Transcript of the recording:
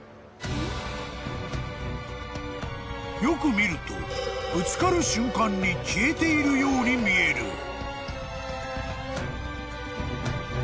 ［よく見るとぶつかる瞬間に消えているように見える］